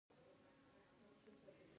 توقع خط؛ د خط یو ډول دﺉ.